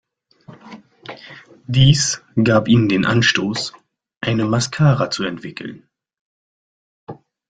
Dies gab ihm den Anstoß, eine Mascara zu entwickeln.